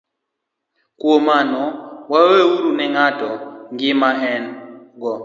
Kuom mano, weuru ne ng'ato gima en - go,